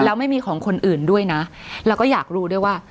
แล้วไม่มีของคนอื่นด้วยนะแล้วก็อยากรู้ด้วยว่า